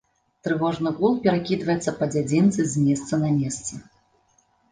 Трывожны гул перакідваецца па дзядзінцы з месца на месца.